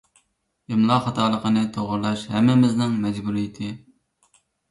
ئىملا خاتالىقىنى توغرىلاش ھەممىمىزنىڭ مەجبۇرىيىتى.